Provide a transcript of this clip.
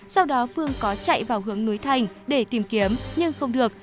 sau đó phương có chạy vào hướng núi thành để tìm kiếm nhưng không được